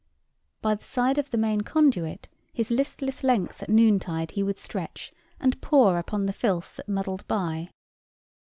By the side of the main conduit his listless length at noontide he would stretch, and pore upon the filth that muddled by.